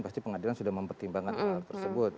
pasti pengadilan sudah mempertimbangkan hal tersebut